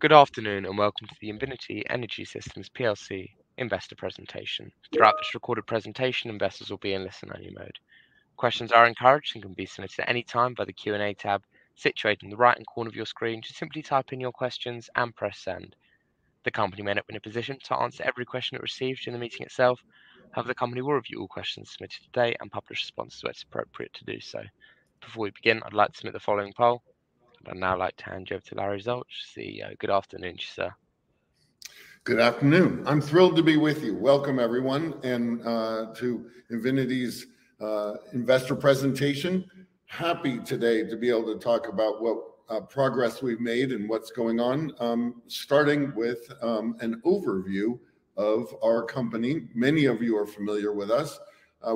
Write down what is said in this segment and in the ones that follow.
Good afternoon, and welcome to the Invinity Energy Systems plc investor presentation. Throughout this recorded presentation, investors will be in listen-only mode. Questions are encouraged and can be submitted at any time via the Q&A tab situated in the right-hand corner of your screen. Just simply type in your questions and press send. The company may not be in a position to answer every question it receives during the meeting itself. However, the company will review all questions submitted today and publish responses where it is appropriate to do so. Before we begin, I would like to submit the following poll. I would now like to hand you over to Larry Zulch, CEO. Good afternoon to you, sir. Good afternoon. I am thrilled to be with you. Welcome everyone, and to Invinity's investor presentation. Happy today to be able to talk about what progress we have made and what is going on, starting with an overview of our company. Many of you are familiar with us.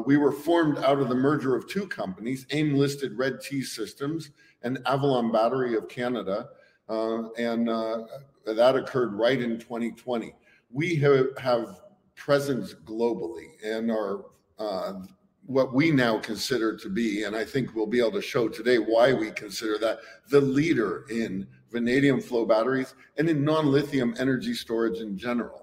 We were formed out of the merger of two companies, AIM-listed redT energy and Avalon Battery of Canada, and that occurred right in 2020. We have presence globally and are what we now consider to be, and I think we will be able to show today why we consider that, the leader in vanadium flow batteries and in non-lithium energy storage in general.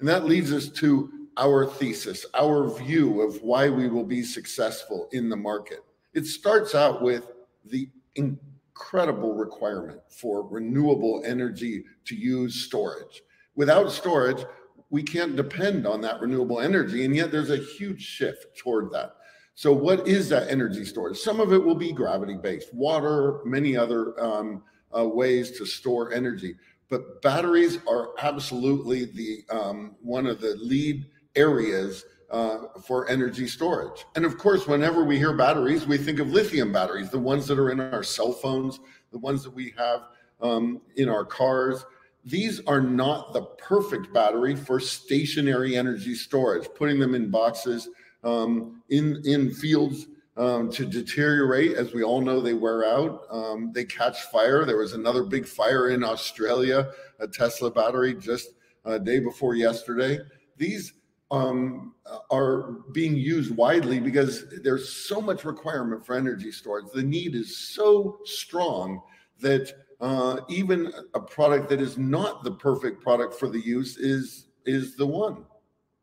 That leads us to our thesis, our view of why we will be successful in the market. It starts out with the incredible requirement for renewable energy to use storage. Without storage, we cannot depend on that renewable energy, and yet there is a huge shift toward that. So what is that energy storage? Some of it will be gravity-based, water, many other ways to store energy, but batteries are absolutely one of the lead areas for energy storage. Of course, whenever we hear batteries, we think of lithium batteries, the ones that are in our cell phones, the ones that we have in our cars. These are not the perfect battery for stationary energy storage, putting them in boxes, in fields to deteriorate. As we all know, they wear out. They catch fire. There was another big fire in Australia, a Tesla battery, just day before yesterday. These are being used widely because there is so much requirement for energy storage. The need is so strong that even a product that is not the perfect product for the use is the one,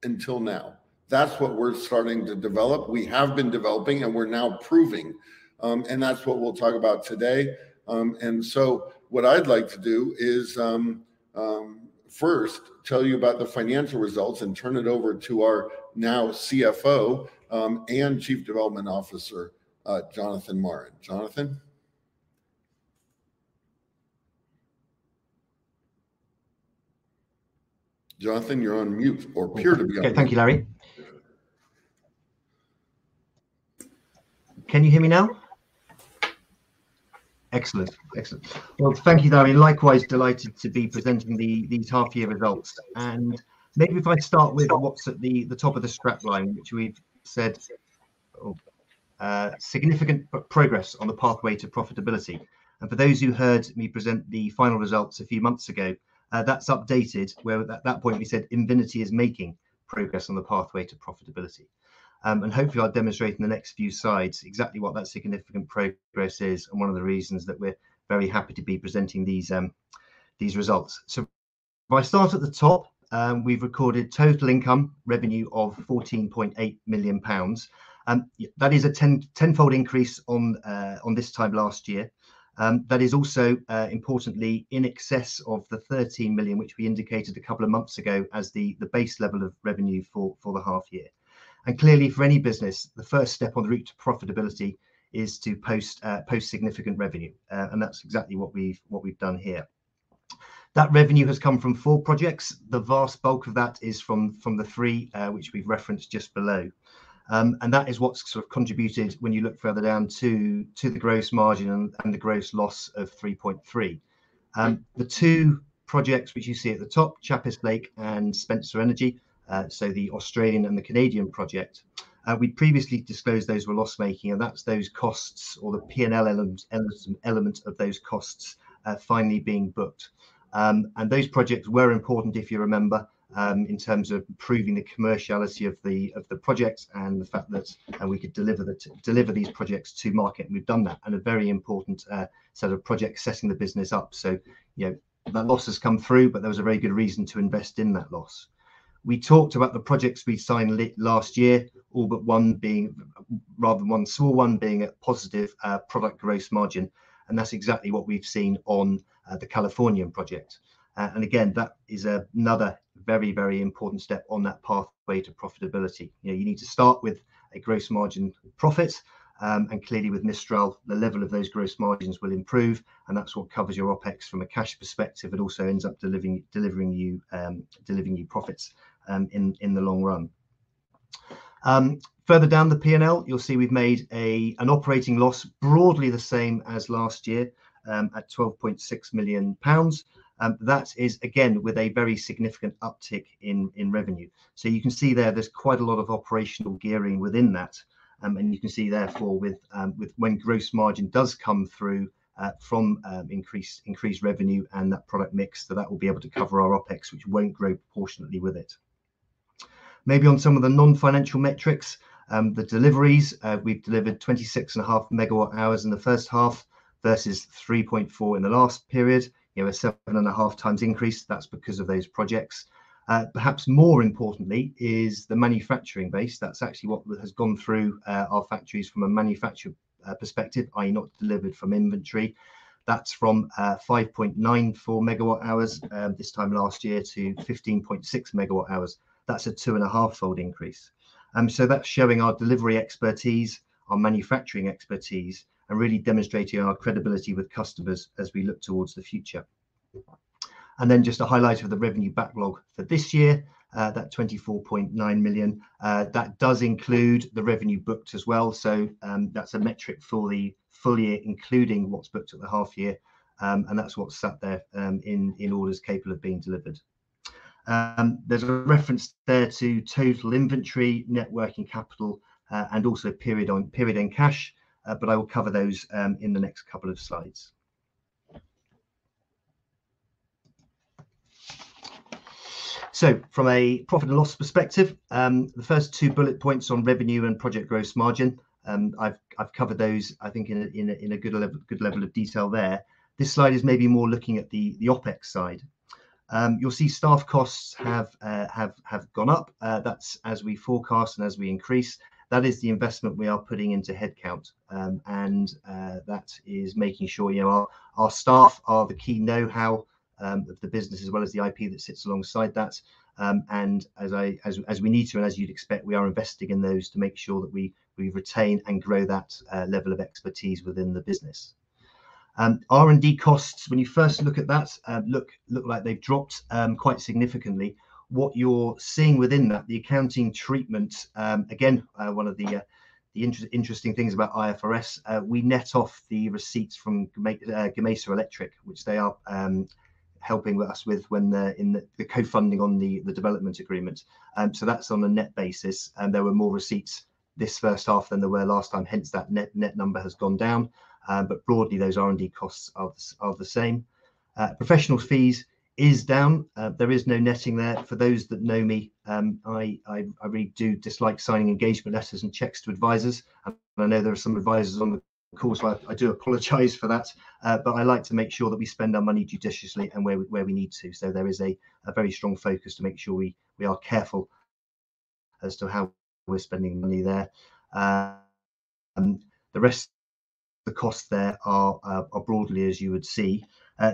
until now. That is what we are starting to develop, we have been developing, and we are now proving. That is what we will talk about today. What I would like to do is, first tell you about the financial results and turn it over to our now CFO, and Chief Development Officer, Jonathan Marren. Jonathan? Jonathan, you are on mute or appear to be on mute. Okay. Thank you, Larry Zulch. Can you hear me now? Excellent. Thank you, Larry Zulch. Likewise, delighted to be presenting these half year results. Maybe if I start with what's at the top of the strap line, which we've said, significant progress on the pathway to profitability. For those who heard me present the final results a few months ago, that's updated where at that point we said Invinity is making progress on the pathway to profitability. Hopefully I'll demonstrate in the next few slides exactly what that significant progress is and one of the reasons that we're very happy to be presenting these results. If I start at the top, we've recorded total income revenue of 14.8 million pounds. That is a tenfold increase on this time last year. That is also, importantly, in excess of 13 million, which we indicated a couple of months ago as the base level of revenue for the half year. Clearly for any business, the first step on the route to profitability is to post significant revenue, and that's exactly what we've done here. That revenue has come from four projects. The vast bulk of that is from the three, which we've referenced just below. That is what's sort of contributed when you look further down to the gross margin and the gross loss of 3.3 million. The two projects which you see at the top, Chappice Lake and Spencer Energy, so the Australian and the Canadian project, we previously disclosed those were loss-making, and that's those costs or the P&L elements of those costs finally being booked. Those projects were important, if you remember, in terms of proving the commerciality of the projects and the fact that we could deliver these projects to market, and we've done that. A very important set of projects setting the business up. That loss has come through, but there was a very good reason to invest in that loss. We talked about the projects we signed late last year, all but one being, rather one small one being a positive product gross margin, and that's exactly what we've seen on the Californian project. Again, that is another very important step on that pathway to profitability. You need to start with a gross margin profit, and clearly with Mistral, the level of those gross margins will improve, and that's what covers your OPEX from a cash perspective. It also ends up delivering you profits in the long run. Further down the P&L, you'll see we've made an operating loss, broadly the same as last year, at 12.6 million pounds. That is, again, with a very significant uptick in revenue. You can see there's quite a lot of operational gearing within that. You can see, therefore, when gross margin does come through from increased revenue and that product mix, that will be able to cover our OPEX, which won't grow proportionately with it. Maybe on some of the non-financial metrics, the deliveries, we've delivered 26.5 megawatt-hours in the first half versus 3.4 megawatt-hours in the last period. A seven and a half times increase. That's because of those projects. Perhaps more importantly is the manufacturing base. That's actually what has gone through our factories from a manufacture perspective, i.e., not delivered from inventory. That's from 5.94 megawatt-hours this time last year to 15.6 megawatt-hours. That's a two-and-a-half fold increase. That's showing our delivery expertise, our manufacturing expertise, and really demonstrating our credibility with customers as we look towards the future. Just a highlight of the revenue backlog for this year, that 24.9 million, that does include the revenue booked as well. That's a metric fully including what's booked at the half year. That's what's sat there in orders capable of being delivered. There's a reference there to total inventory, net working capital, and also period-end cash. I will cover those in the next couple of slides. From a profit and loss perspective, the first two bullet points on revenue and project gross margin, I've covered those, I think, in a good level of detail there. This slide is maybe more looking at the OPEX side. You'll see staff costs have gone up. That's as we forecast and as we increase. That is the investment we are putting into headcount. That is making sure our staff are the key knowhow of the business as well as the IP that sits alongside that. As we need to, and as you'd expect, we are investing in those to make sure that we retain and grow that level of expertise within the business. R&D costs, when you first look at that, look like they've dropped quite significantly. What you're seeing within that, the accounting treatment, again, one of the interesting things about IFRS, we net off the receipts from Gamesa Electric, which they are helping us with when they're in the co-funding on the development agreement. That's on a net basis, and there were more receipts this first half than there were last time, hence that net number has gone down. Broadly, those R&D costs are the same. Professional fees is down. There is no netting there. For those that know me, I really do dislike signing engagement letters and checks to advisors. I know there are some advisors on the call so I do apologize for that. I like to make sure that we spend our money judiciously and where we need to. There is a very strong focus to make sure we are careful as to how we're spending money there. The rest of the costs there are broadly as you would see.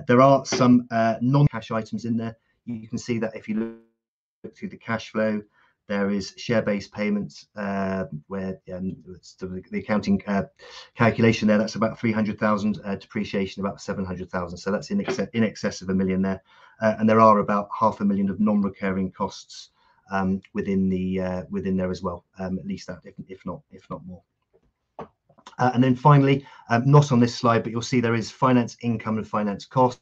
There are some non-cash items in there. You can see that if you look through the cash flow, there is share-based payments, where the accounting calculation there, that's about 300,000. Depreciation, about 700,000. So that's in excess of 1 million there. There are about GBP half a million of non-recurring costs within there as well. At least that, if not more. Finally, not on this slide, but you'll see there is finance income and finance costs.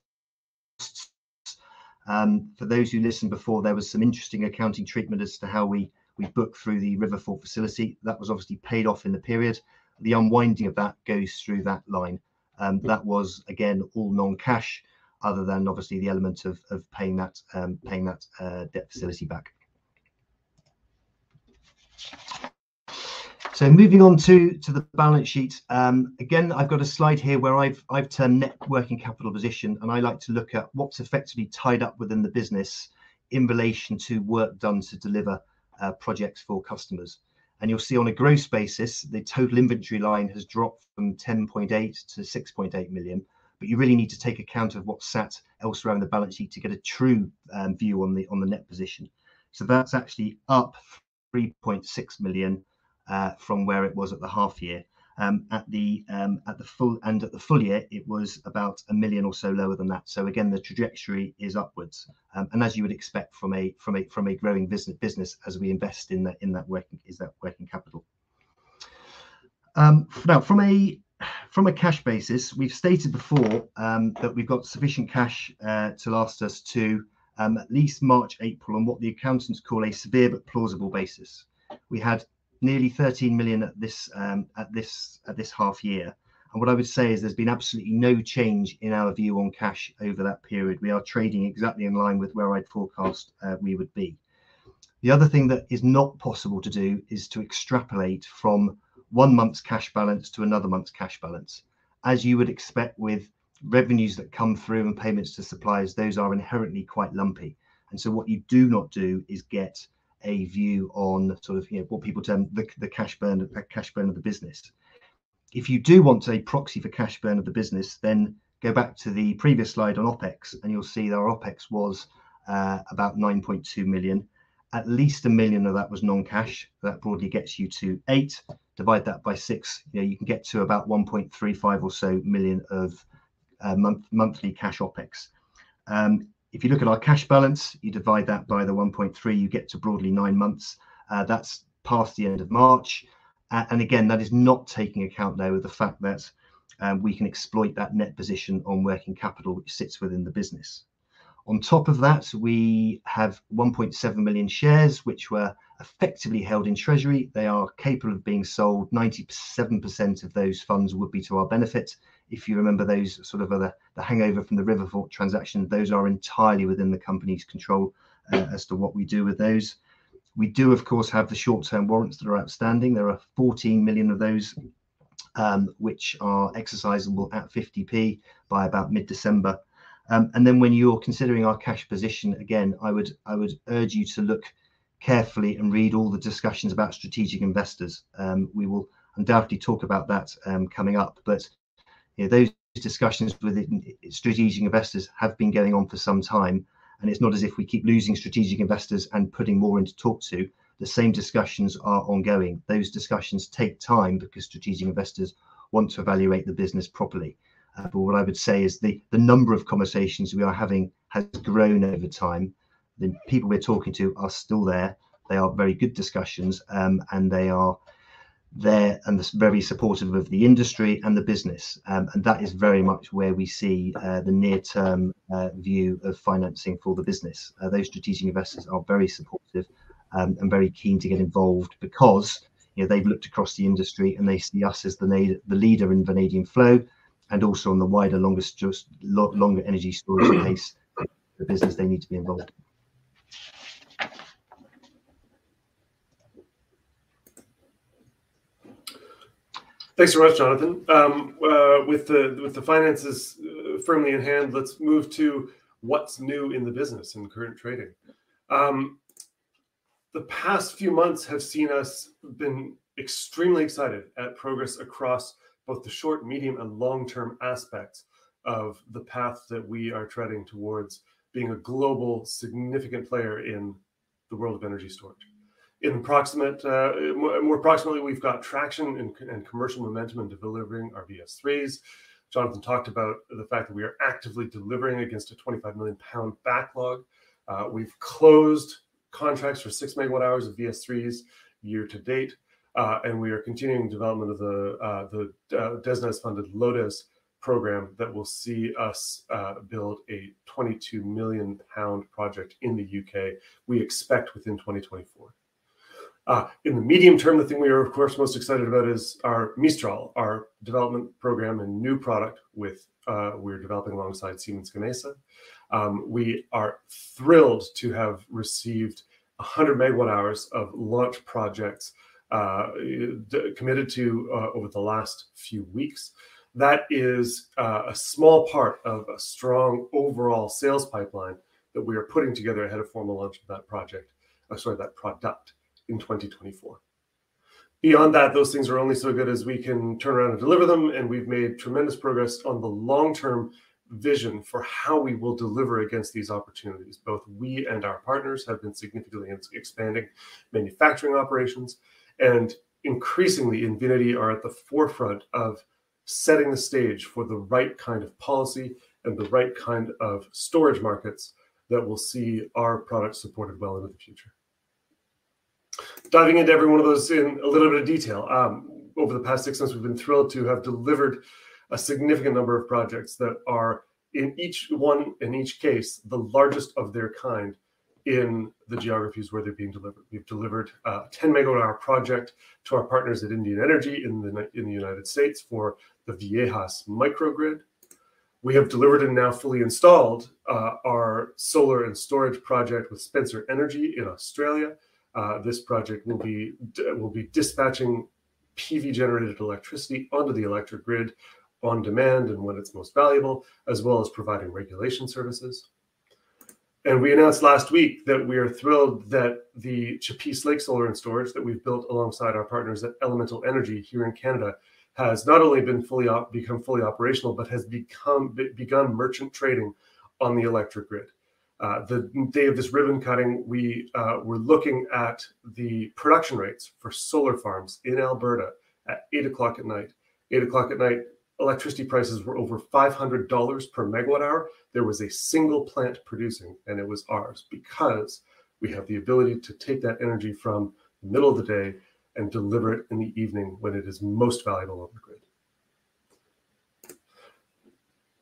For those who listened before, there was some interesting accounting treatment as to how we book through the RiverFort facility. That was obviously paid off in the period. The unwinding of that goes through that line. That was, again, all non-cash other than obviously the element of paying that debt facility back. Moving on to the balance sheet. I've got a slide here where I've turned net working capital position, and I like to look at what's effectively tied up within the business in relation to work done to deliver projects for customers. You'll see on a gross basis, the total inventory line has dropped from 10.8 million to 6.8 million, you really need to take account of what sat else around the balance sheet to get a true view on the net position. That's actually up 3.6 million from where it was at the half year. At the full year, it was about 1 million or so lower than that. Again, the trajectory is upwards. As you would expect from a growing business as we invest in that working capital. From a cash basis, we've stated before that we've got sufficient cash to last us to at least March, April, on what the accountants call a severe but plausible basis. We had nearly 13 million at this half year, what I would say is there's been absolutely no change in our view on cash over that period. We are trading exactly in line with where I'd forecast we would be. The other thing that is not possible to do is to extrapolate from one month's cash balance to another month's cash balance. You would expect with revenues that come through and payments to suppliers, those are inherently quite lumpy, what you do not do is get a view on sort of what people term the cash burn of the business. If you do want a proxy for cash burn of the business, go back to the previous slide on OPEX, you'll see that our OPEX was about 9.2 million. At least 1 million of that was non-cash. That broadly gets you to 8. Divide that by six, you can get to about 1.35 million or so of monthly cash OPEX. If you look at our cash balance, you divide that by the 1.3, you get to broadly nine months. That's past the end of March. Again, that is not taking account, though, of the fact that we can exploit that net position on working capital which sits within the business. On top of that, we have 1.7 million shares which were effectively held in treasury. They are capable of being sold. 97% of those funds would be to our benefit. If you remember those sort of other, the hangover from the RiverFort transaction, those are entirely within the company's control as to what we do with those. We do, of course, have the short-term warrants that are outstanding. There are 14 million of those which are exercisable at 0.50 by about mid-December. When you're considering our cash position, again, I would urge you to look carefully and read all the discussions about strategic investors. We will undoubtedly talk about that coming up. Those discussions with strategic investors have been going on for some time, it's not as if we keep losing strategic investors and putting more in to talk to. The same discussions are ongoing. Those discussions take time because strategic investors want to evaluate the business properly. What I would say is the number of conversations we are having has grown over time. The people we're talking to are still there. They are very good discussions, they are there and very supportive of the industry and the business. That is very much where we see the near-term view of financing for the business. Those strategic investors are very supportive and very keen to get involved because they've looked across the industry, and they see us as the leader in vanadium flow and also on the wider, longer energy storage base for the business, they need to be involved. Thanks so much, Jonathan. With the finances firmly in hand, let's move to what's new in the business and current trading. The past few months have seen us been extremely excited at progress across both the short, medium, and long-term aspects of the path that we are treading towards being a global significant player in the world of energy storage. More approximately, we've got traction and commercial momentum in delivering our VS3s. Jonathan talked about the fact that we are actively delivering against a 25 million pound backlog. We've closed contracts for six megawatt-hours of VS3s year to date, and we are continuing development of the DESNZ-funded Lotus program that will see us build a 22 million pound project in the U.K., we expect within 2024. In the medium term, the thing we are, of course, most excited about is our Mistral, our development program and new product we're developing alongside Siemens Gamesa. We are thrilled to have received 100 megawatt-hours of launch projects committed to over the last few weeks. That is a small part of a strong overall sales pipeline that we are putting together ahead of formal launch of that project, sorry, that product in 2024. Beyond that, those things are only so good as we can turn around and deliver them, and we've made tremendous progress on the long-term vision for how we will deliver against these opportunities. Both we and our partners have been significantly expanding manufacturing operations, and increasingly, Invinity are at the forefront of setting the stage for the right kind of policy and the right kind of storage markets that will see our product supported well into the future. Diving into every one of those in a little bit of detail. Over the past six months, we've been thrilled to have delivered a significant number of projects that are in each case, the largest of their kind in the geographies where they're being delivered. We've delivered a 10-megawatt-hour project to our partners at Indian Energy in the U.S. for the Viejas Microgrid. We have delivered and now fully installed our solar and storage project with Spencer Energy in Australia. This project will be dispatching PV-generated electricity onto the electric grid on demand and when it's most valuable, as well as providing regulation services. We announced last week that we are thrilled that the Chappice Lake Solar and Storage that we have built alongside our partners at Elemental Energy here in Canada has not only become fully operational but has begun merchant trading on the electric grid. The day of this ribbon-cutting, we were looking at the production rates for solar farms in Alberta at 8:00 P.M. 8:00 P.M., electricity prices were over GBP 500 per megawatt-hour. There was a single plant producing, and it was ours because we have the ability to take that energy from the middle of the day and deliver it in the evening when it is most valuable on the grid.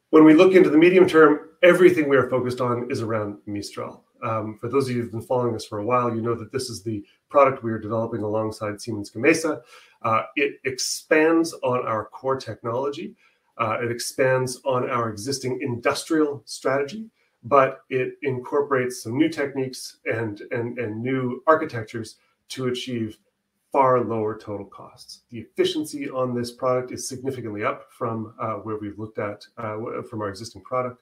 When we look into the medium term, everything we are focused on is around Mistral. For those of you who have been following us for a while, you know that this is the product we are developing alongside Siemens Gamesa. It expands on our core technology. It expands on our existing industrial strategy, but it incorporates some new techniques and new architectures to achieve far lower total costs. The efficiency on this product is significantly up from our existing product.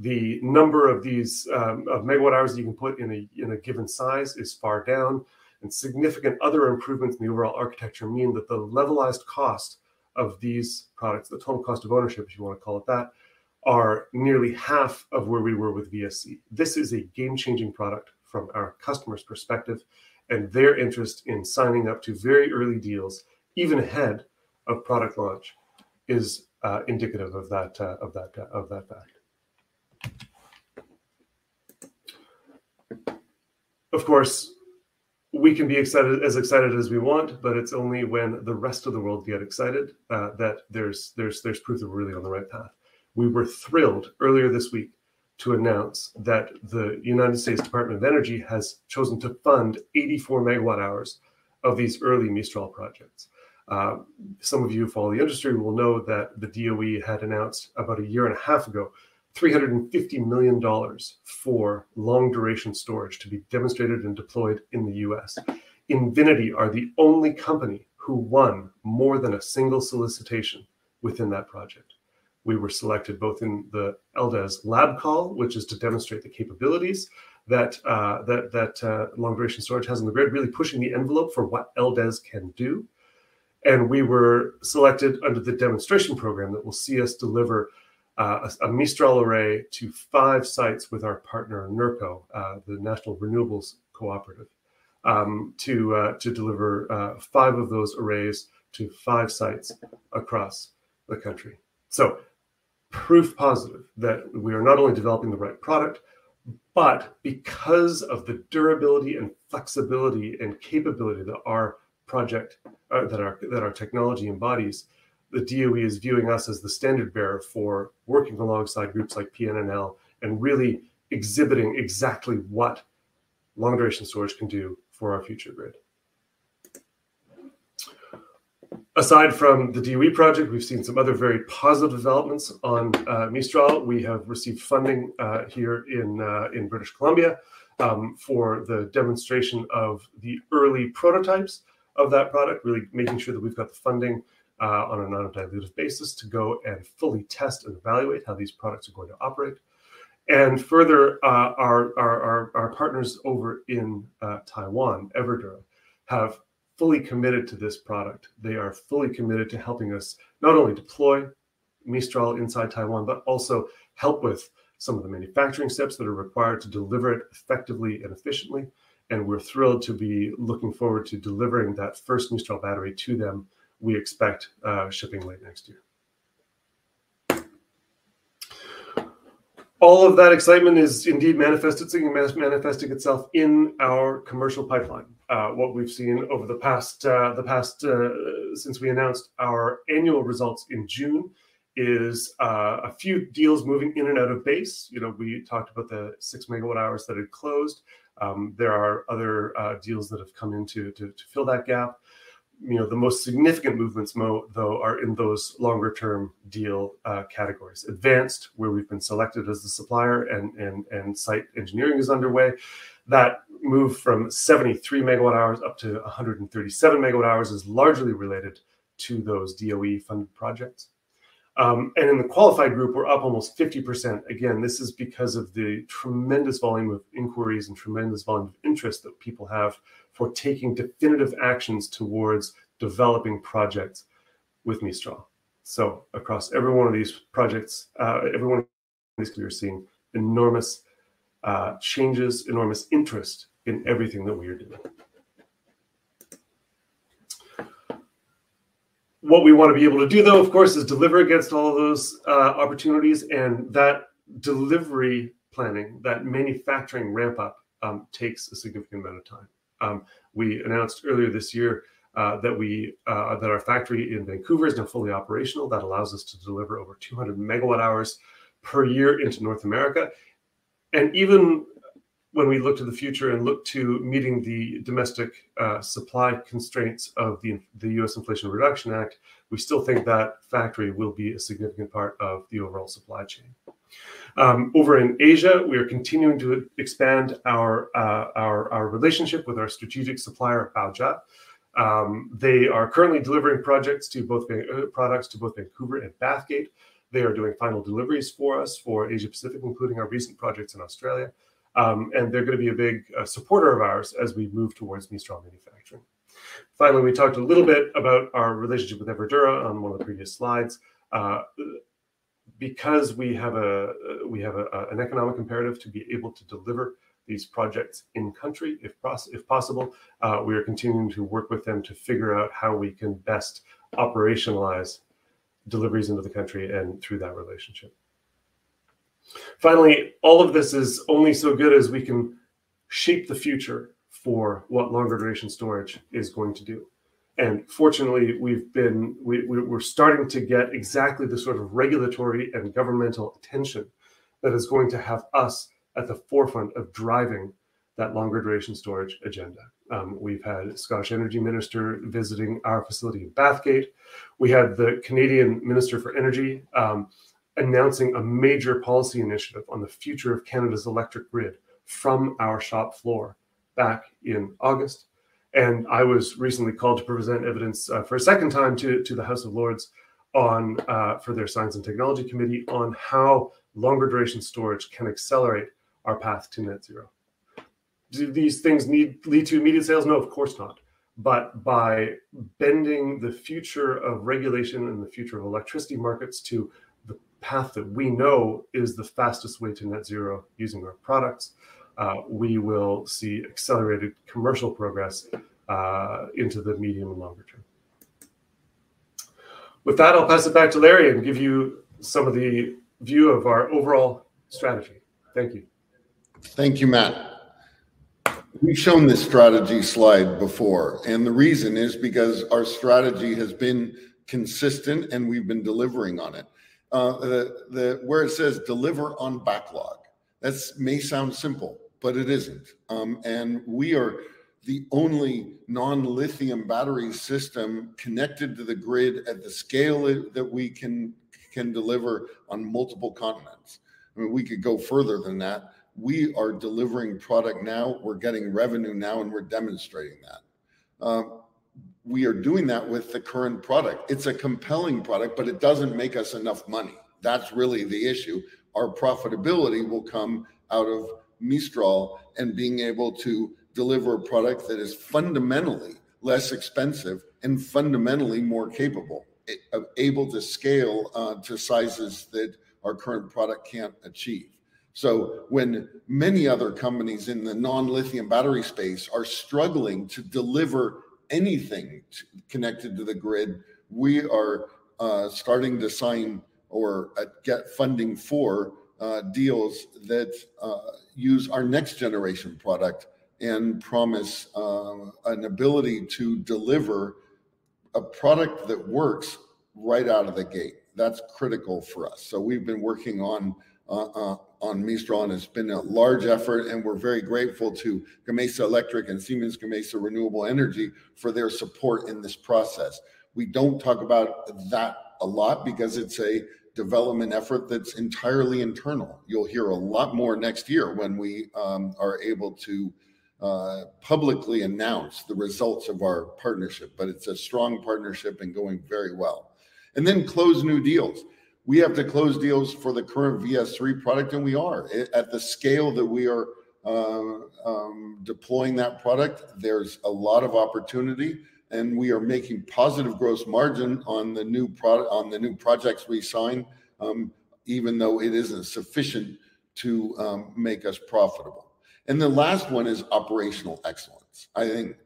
The number of these megawatt-hours that you can put in a given size is far down, and significant other improvements in the overall architecture mean that the levelized cost of these products, the total cost of ownership, if you want to call it that, are nearly half of where we were with VS3. This is a game-changing product from our customer's perspective, and their interest in signing up to very early deals, even ahead of product launch, is indicative of that fact. Of course, we can be as excited as we want, but it's only when the rest of the world get excited that there's proof that we're really on the right path. We were thrilled earlier this week to announce that the United States Department of Energy has chosen to fund 84 megawatt-hours of these early Mistral projects. Some of you who follow the industry will know that the DOE had announced about a year and a half ago, GBP 350 million for long-duration storage to be demonstrated and deployed in the U.S. Invinity are the only company who won more than a single solicitation within that project. We were selected both in the LDES Lab Call, which is to demonstrate the capabilities that long-duration storage has on the grid, really pushing the envelope for what LDES can do. We were selected under the demonstration program that will see us deliver a Mistral array to five sites with our partner, NRECA, the National Rural Electric Cooperative Association, to deliver five of those arrays to five sites across the country. So proof positive that we are not only developing the right product, but because of the durability and flexibility and capability that our technology embodies, the DOE is viewing us as the standard-bearer for working alongside groups like PNNL and really exhibiting exactly what long-duration storage can do for our future grid. Aside from the DOE project, we have seen some other very positive developments on Mistral. We have received funding here in British Columbia for the demonstration of the early prototypes of that product, really making sure that we have got the funding on a non-dilutive basis to go and fully test and evaluate how these products are going to operate. Further, our partners over in Taiwan, Everdura, have fully committed to this product. They are fully committed to helping us not only deploy Mistral inside Taiwan, but also help with some of the manufacturing steps that are required to deliver it effectively and efficiently. We're thrilled to be looking forward to delivering that first Mistral battery to them. We expect shipping late next year. All of that excitement is indeed manifesting itself in our commercial pipeline. What we've seen since we announced our annual results in June is a few deals moving in and out of base. We talked about the six megawatt-hours that had closed. There are other deals that have come in to fill that gap. The most significant movements, though, are in those longer-term deal categories. Advanced, where we've been selected as the supplier and site engineering is underway. That move from 73 megawatt-hours up to 137 megawatt-hours is largely related to those DOE-funded projects. In the qualified group, we're up almost 50%. Again, this is because of the tremendous volume of inquiries and tremendous volume of interest that people have for taking definitive actions towards developing projects with Mistral. Across every one of these projects, we are seeing enormous changes, enormous interest in everything that we are doing. What we want to be able to do, though, of course, is deliver against all of those opportunities, and that delivery planning, that manufacturing ramp-up, takes a significant amount of time. We announced earlier this year that our factory in Vancouver is now fully operational. That allows us to deliver over 200 megawatt-hours per year into North America. Even when we look to the future and look to meeting the domestic supply constraints of the U.S. Inflation Reduction Act, we still think that factory will be a significant part of the overall supply chain. Over in Asia, we are continuing to expand our relationship with our strategic supplier, Baojia. They are currently delivering products to both Vancouver and Bathgate. They are doing final deliveries for us for Asia Pacific, including our recent projects in Australia. They're going to be a big supporter of ours as we move towards Mistral manufacturing. Finally, we talked a little bit about our relationship with Everdura on one of the previous slides. Because we have an economic imperative to be able to deliver these projects in country if possible, we are continuing to work with them to figure out how we can best operationalize deliveries into the country and through that relationship. Finally, all of this is only so good as we can shape the future for what longer-duration storage is going to do. Fortunately, we're starting to get exactly the sort of regulatory and governmental attention that is going to have us at the forefront of driving that longer-duration storage agenda. We've had a Scottish energy minister visiting our facility in Bathgate. We had the Canadian Minister for Energy announcing a major policy initiative on the future of Canada's electric grid from our shop floor back in August. I was recently called to present evidence for a second time to the House of Lords for their Science and Technology Committee on how longer-duration storage can accelerate our path to net zero. Do these things lead to immediate sales? No, of course not. By bending the future of regulation and the future of electricity markets to the path that we know is the fastest way to net zero using our products, we will see accelerated commercial progress into the medium and longer term. With that, I'll pass it back to Larry and give you some of the view of our overall strategy. Thank you. Thank you, Matt. We've shown this strategy slide before, the reason is because our strategy has been consistent and we've been delivering on it. Where it says deliver on backlog, that may sound simple, but it isn't. We are the only non-lithium battery system connected to the grid at the scale that we can deliver on multiple continents. We could go further than that. We are delivering product now, we're getting revenue now, and we're demonstrating that. We are doing that with the current product. It's a compelling product, but it doesn't make us enough money. That's really the issue. Our profitability will come out of Mistral and being able to deliver a product that is fundamentally less expensive and fundamentally more capable, able to scale to sizes that our current product can't achieve. When many other companies in the non-lithium battery space are struggling to deliver anything connected to the grid, we are starting to sign or get funding for deals that use our next generation product and promise an ability to deliver a product that works right out of the gate. That's critical for us. We've been working on Mistral, it's been a large effort, and we're very grateful to Gamesa Electric and Siemens Gamesa Renewable Energy for their support in this process. We don't talk about that a lot because it's a development effort that's entirely internal. You'll hear a lot more next year when we are able to publicly announce the results of our partnership, but it's a strong partnership and going very well. Then close new deals. We have to close deals for the current VS3 product, and we are. At the scale that we are deploying that product, there's a lot of opportunity, and we are making positive gross margin on the new projects we sign, even though it isn't sufficient to make us profitable. The last one is operational excellence. I think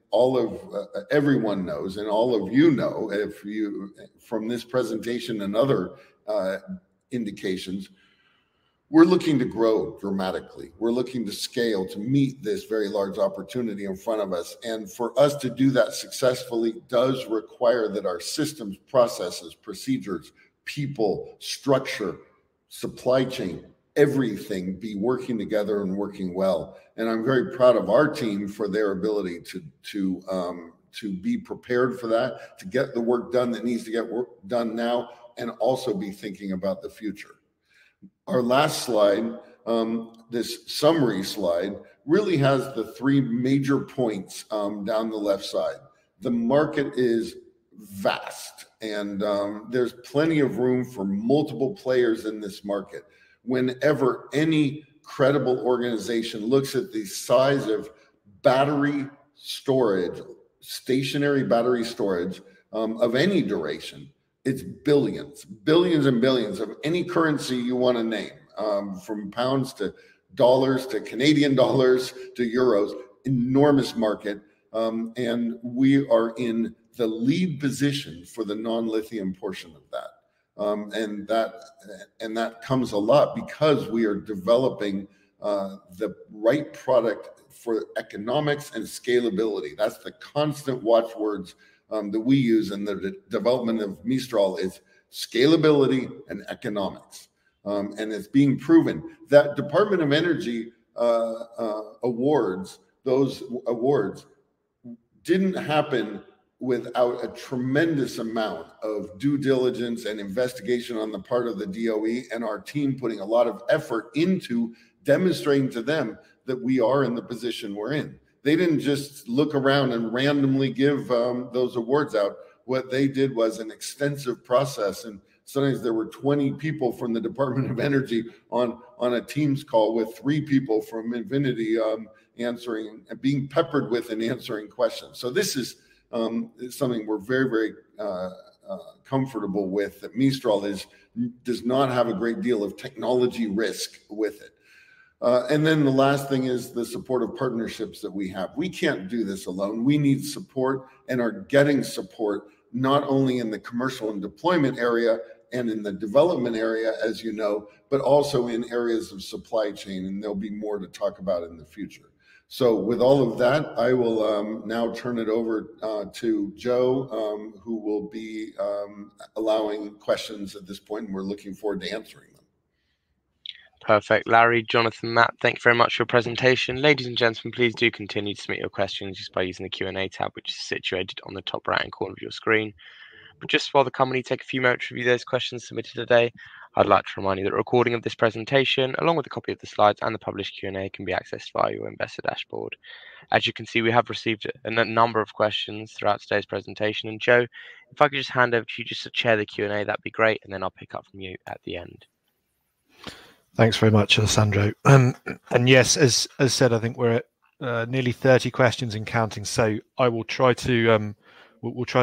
everyone knows, and all of you know from this presentation and other indications, we're looking to grow dramatically. We're looking to scale to meet this very large opportunity in front of us. For us to do that successfully does require that our systems, processes, procedures, people, structure, supply chain, everything, be working together and working well. I'm very proud of our team for their ability to be prepared for that, to get the work done that needs to get done now, and also be thinking about the future. Our last slide, this summary slide, really has the three major points down the left side. The market is vast, and there's plenty of room for multiple players in this market. Whenever any credible organization looks at the size of battery storage, stationary battery storage, of any duration, it's billions. Billions and billions of any currency you want to name, from pounds to dollars to Canadian dollars to euros. Enormous market. We are in the lead position for the non-lithium portion of that. That comes a lot because we are developing the right product for economics and scalability. That's the constant watch words that we use in the development of Mistral is scalability and economics. It's being proven. That Department of Energy awards, those awards didn't happen without a tremendous amount of due diligence and investigation on the part of the DOE and our team putting a lot of effort into demonstrating to them that we are in the position we're in. They didn't just look around and randomly give those awards out. What they did was an extensive process, and sometimes there were 20 people from the Department of Energy on a Teams call with three people from Invinity answering and being peppered with and answering questions. This is something we're very, very comfortable with, that Mistral does not have a great deal of technology risk with it. The last thing is the supportive partnerships that we have. We can't do this alone. We need support and are getting support, not only in the commercial and deployment area and in the development area, as you know, but also in areas of supply chain, and there'll be more to talk about in the future. With all of that, I will now turn it over to Joe, who will be allowing questions at this point, and we're looking forward to answering them. Perfect. Larry, Jonathan, Matt, thank you very much for your presentation. Ladies and gentlemen, please do continue to submit your questions just by using the Q&A tab, which is situated on the top right-hand corner of your screen. Just while the company take a few moments to review those questions submitted today, I'd like to remind you that a recording of this presentation, along with a copy of the slides and the published Q&A, can be accessed via your investor dashboard. As you can see, we have received a number of questions throughout today's presentation, and Joe, if I could just hand over to you just to chair the Q&A, that'd be great, and then I'll pick up from you at the end. Thanks very much, Alessandro. Yes, as said, I think we're at nearly 30 questions and counting, we'll try to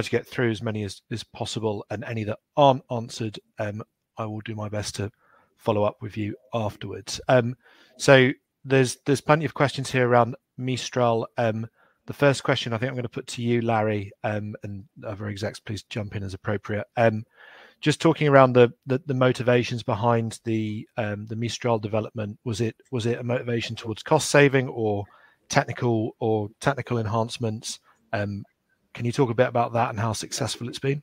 get through as many as possible, and any that aren't answered, I will do my best to follow up with you afterwards. There's plenty of questions here around Mistral. The first question I think I'm going to put to you, Larry, and other execs, please jump in as appropriate. Just talking around the motivations behind the Mistral development, was it a motivation towards cost saving or technical enhancements? Can you talk a bit about that and how successful it's been?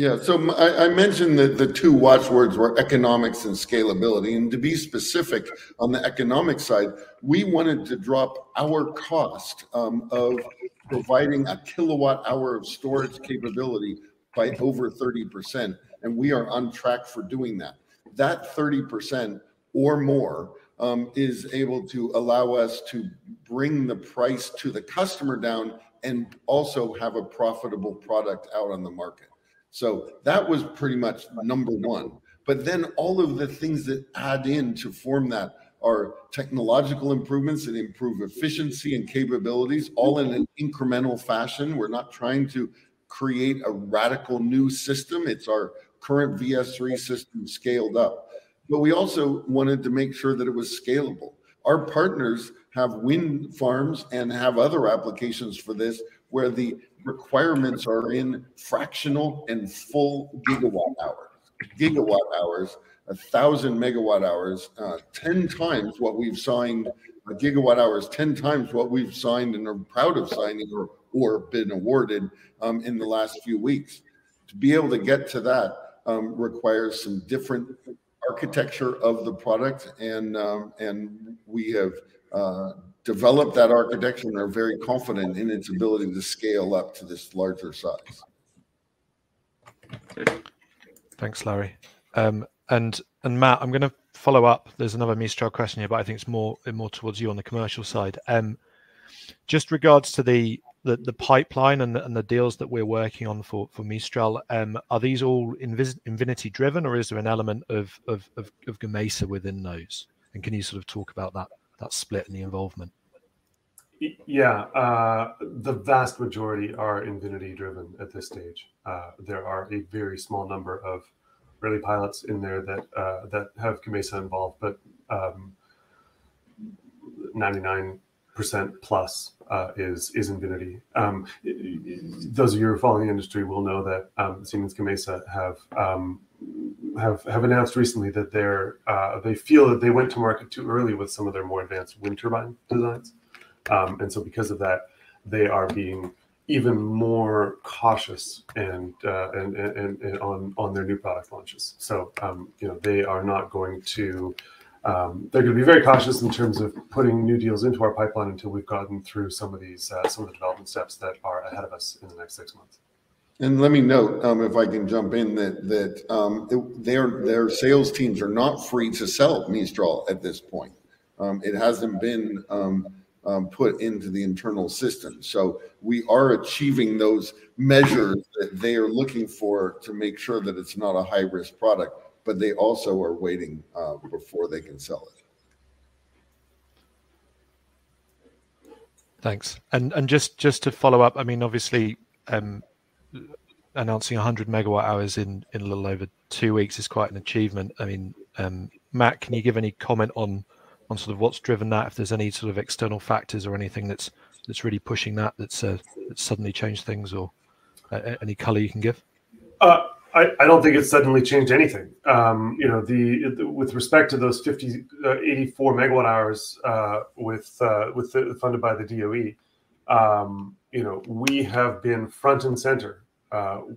I mentioned that the two watch words were economics and scalability. To be specific on the economic side, we wanted to drop our cost of providing a kilowatt-hour of storage capability by over 30%, and we are on track for doing that. That 30% or more is able to allow us to bring the price to the customer down and also have a profitable product out on the market. That was pretty much number one. All of the things that add in to form that are technological improvements that improve efficiency and capabilities, all in an incremental fashion. We're not trying to create a radical new system. It's our current VS3 system scaled up. We also wanted to make sure that it was scalable. Our partners have wind farms and have other applications for this, where the requirements are in fractional and full gigawatt-hours. Gigawatt-hours, 1,000 megawatt-hours, 10 times what we've signed, and are proud of signing or have been awarded in the last few weeks. To be able to get to that requires some different architecture of the product, and we have developed that architecture and are very confident in its ability to scale up to this larger size. Thanks, Larry. Matt, I'm going to follow up. There's another Mistral question here, but I think it's more towards you on the commercial side. Just regards to the pipeline and the deals that we're working on for Mistral, are these all Invinity driven, or is there an element of Gamesa within those? Can you sort of talk about that split and the involvement? Yeah. The vast majority are Invinity driven at this stage. There are a very small number of early pilots in there that have Gamesa involved, but 99% plus is Invinity. Those of you who are following the industry will know that Siemens Gamesa have announced recently that they feel that they went to market too early with some of their more advanced wind turbine designs. Because of that, they are being even more cautious on their new product launches. They're going to be very cautious in terms of putting new deals into our pipeline until we've gotten through some of the development steps that are ahead of us in the next 6 months. Let me note, if I can jump in, that their sales teams are not free to sell Mistral at this point. It hasn't been put into the internal system. We are achieving those measures that they are looking for to make sure that it's not a high-risk product, but they also are waiting before they can sell it. Thanks. Just to follow up, obviously, announcing 100 MWh in little over two weeks is quite an achievement. Matt, can you give any comment on sort of what's driven that? If there's any sort of external factors or anything that's really pushing that's suddenly changed things or any color you can give? I don't think it's suddenly changed anything. With respect to those 84 MWh funded by the DOE, we have been front and center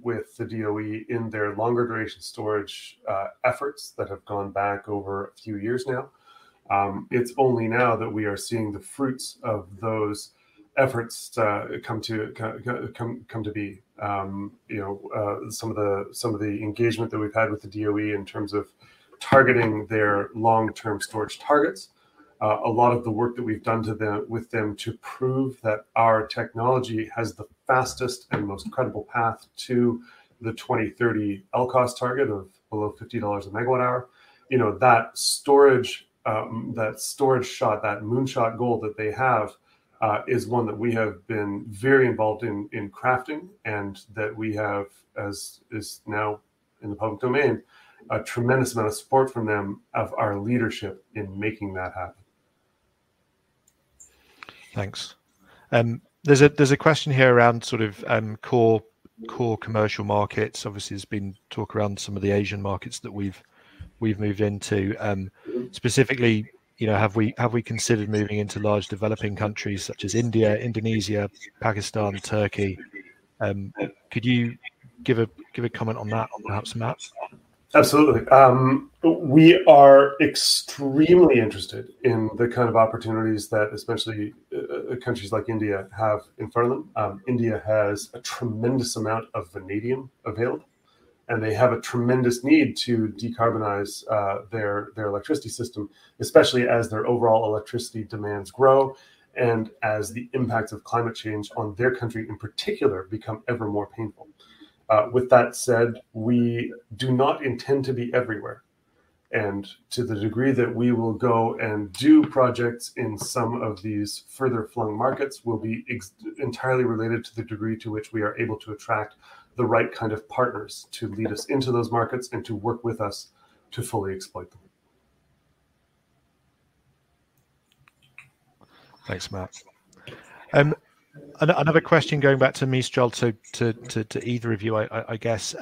with the DOE in their longer duration storage efforts that have gone back over a few years now. It's only now that we are seeing the fruits of those efforts come to be some of the engagement that we've had with the DOE in terms of targeting their long-term storage targets. A lot of the work that we've done with them to prove that our technology has the fastest and most credible path to the 2030 LCOS target of below $50 a MWh. That Storage Shot, that moonshot goal that they have, is one that we have been very involved in crafting, and that we have, as is now in the public domain, a tremendous amount of support from them of our leadership in making that happen. Thanks. There's a question here around core commercial markets. Obviously, there's been talk around some of the Asian markets that we've moved into. Specifically, have we considered moving into large developing countries such as India, Indonesia, Pakistan, Turkey? Could you give a comment on that perhaps, Matt? Absolutely. We are extremely interested in the kind of opportunities that especially countries like India have in front of them. India has a tremendous amount of vanadium available, and they have a tremendous need to decarbonize their electricity system, especially as their overall electricity demands grow and as the impact of climate change on their country in particular become ever more painful. With that said, we do not intend to be everywhere, and to the degree that we will go and do projects in some of these further flung markets will be entirely related to the degree to which we are able to attract the right kind of partners to lead us into those markets and to work with us to fully exploit them. Thanks, Matt. Another question going back to Mistral, to either of you, I guess.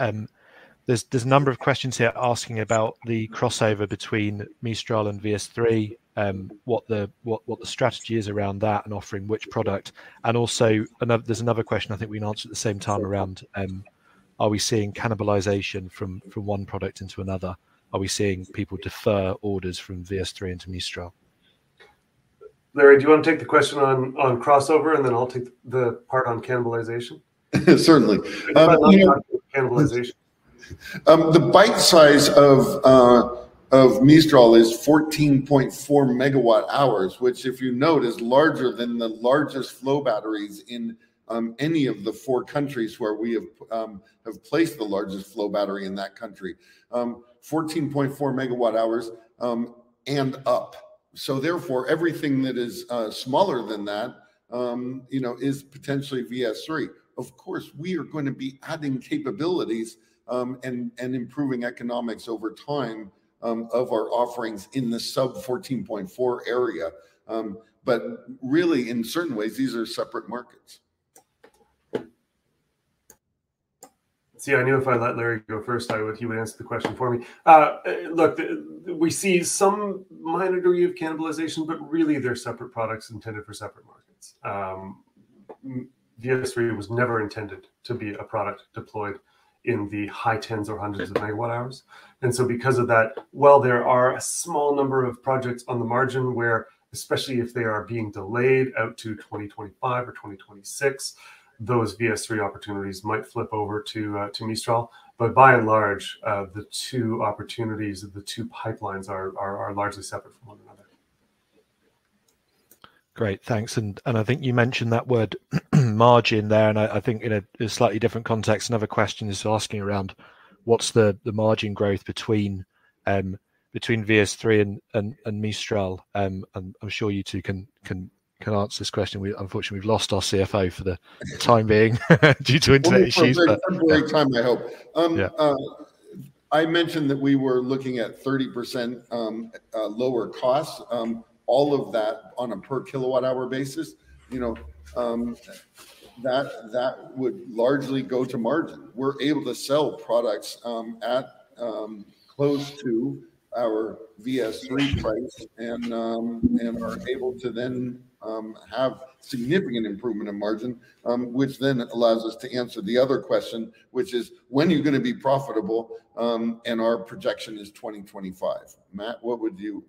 There's a number of questions here asking about the crossover between Mistral and VS3, what the strategy is around that and offering which product. Also, there's another question I think we can answer at the same time around are we seeing cannibalization from one product into another. Are we seeing people defer orders from VS3 into Mistral? Larry, do you want to take the question on crossover, and then I'll take the part on cannibalization? Certainly. Why don't you handle cannibalization? The bite size of Mistral is 14.4 megawatt-hours, which if you note, is larger than the largest flow batteries in any of the four countries where we have placed the largest flow battery in that country. 14.4 megawatt-hours and up. Therefore, everything that is smaller than that is potentially VS3. Of course, we are going to be adding capabilities and improving economics over time of our offerings in the sub 14.4 area. Really, in certain ways, these are separate markets. See, I knew if I let Larry go first, he would answer the question for me. Look, we see some minor degree of cannibalization, but really they're separate products intended for separate markets. VS3 was never intended to be a product deployed in the high tens or hundreds of megawatt-hours. Because of that, while there are a small number of projects on the margin where, especially if they are being delayed out to 2025 or 2026, those VS3 opportunities might flip over to Mistral. By and large, the two opportunities or the two pipelines are largely separate from one another. Great. Thanks. I think you mentioned that word margin there, and I think in a slightly different context, another question is asking around what's the margin growth between VS3 and Mistral? I'm sure you two can answer this question. Unfortunately, we've lost our CFO for the time being due to internet issues. Only for a very short length time, I hope. Yeah. I mentioned that we were looking at 30% lower costs. All of that on a per kilowatt-hour basis. That would largely go to margin. We're able to sell products at close to our VS3 price and are able to then have significant improvement in margin, which then allows us to answer the other question, which is, when are you going to be profitable? Our projection is 2025. Matt, what would you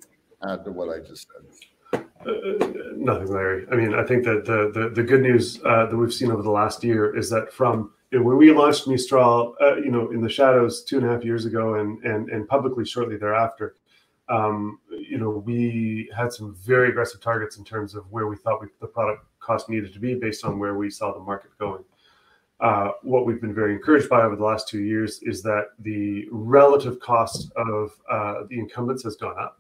add to what I just said? Nothing, Larry. I think that the good news that we've seen over the last year is that from when we launched Mistral in the shadows two and a half years ago, and publicly shortly thereafter, we had some very aggressive targets in terms of where we thought the product cost needed to be based on where we saw the market going. What we've been very encouraged by over the last two years is that the relative cost of the incumbents has gone up,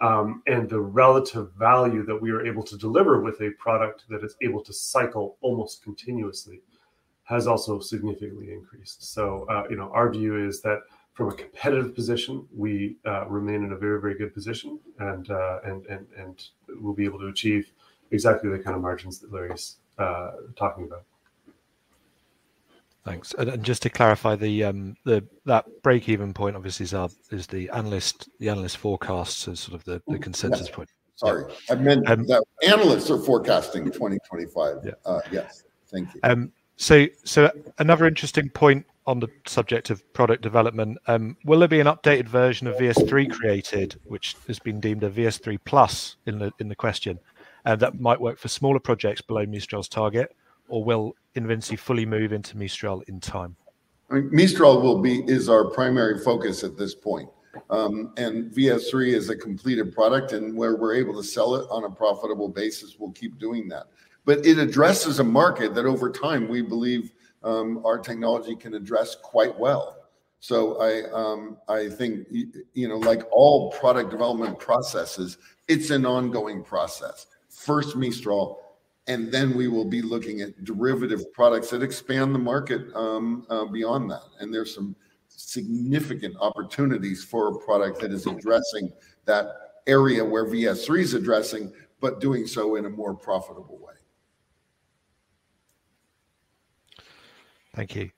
and the relative value that we are able to deliver with a product that is able to cycle almost continuously has also significantly increased. Our view is that from a competitive position, we remain in a very good position, and we'll be able to achieve exactly the kind of margins that Larry's talking about. Thanks. Just to clarify, that breakeven point obviously is the analyst forecasts as sort of the consensus point. Sorry. I meant that analysts are forecasting 2025. Yeah. Yes. Thank you. Another interesting point on the subject of product development. Will there be an updated version of VS3 created, which has been deemed a VS3 plus in the question, that might work for smaller projects below Mistral's target, or will Invinity fully move into Mistral in time? Mistral is our primary focus at this point. VS3 is a completed product, and where we're able to sell it on a profitable basis, we'll keep doing that. It addresses a market that over time we believe our technology can address quite well. I think, like all product development processes, it's an ongoing process. First Mistral, and then we will be looking at derivative products that expand the market beyond that. There's some significant opportunities for a product that is addressing that area where VS3 is addressing, but doing so in a more profitable way. Thank you.